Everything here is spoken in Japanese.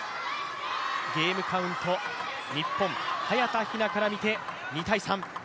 ゲームカウント、日本、早田ひなからみて２−３。